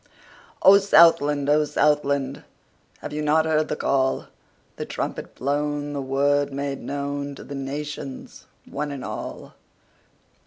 O SOUTHLAND! O Southland! Have you not heard the call, The trumpet blown, the word made knownTo the nations, one and all?